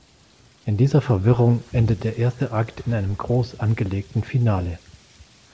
In dieser Verwirrung endet der erste Akt in einem groß angelegten Finale.